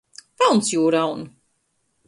Valns jū raun!